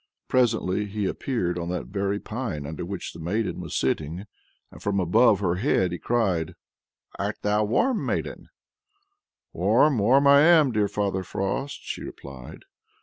Presently he appeared on that very pine under which the maiden was sitting and from above her head he cried: "Art thou warm, maiden?" "Warm, warm am I, dear Father Frost," she replied.